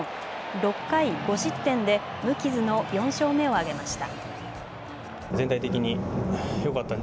６回５失点で無傷の４勝目を挙げました。